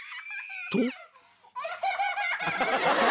［と］